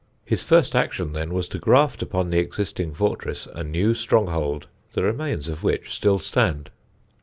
His first action, then, was to graft upon the existing fortress a new stronghold, the remains of which still stand.